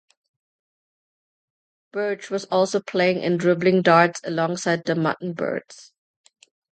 Burge was also playing in Dribbling Darts alongside the Mutton Birds.